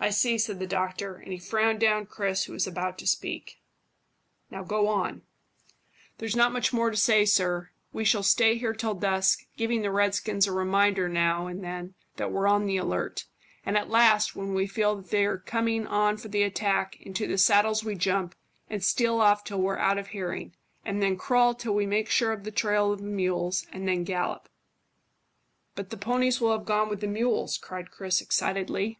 "I see," said the doctor, and he frowned down Chris, who was about to speak. "Now go on." "There's not much more to say, sir. We shall stay here till dusk, giving the redskins a reminder now and then that we're on the alert; and at last, when we feel that they're coming on for the attack, into the saddles we jump, and steal off till we're out of hearing, and then crawl till we make sure of the trail of the mules, and then gallop." "But the ponies will have gone with the mules," cried Chris excitedly.